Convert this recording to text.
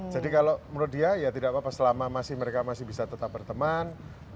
jadi kalau menurut dia ya tidak apa apa selama mereka masih bisa tetap berteman